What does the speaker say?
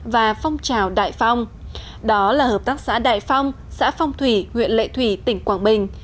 và phong trào đại phong đó là hợp tác xã đại phong xã phong thủy huyện lệ thủy tỉnh quảng bình